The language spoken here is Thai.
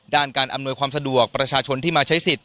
การอำนวยความสะดวกประชาชนที่มาใช้สิทธิ